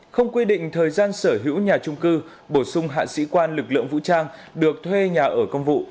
không quy định thời gian sở hữu nhà trung cư bổ sung hạ sĩ quan lực lượng vũ trang được thuê nhà ở công vụ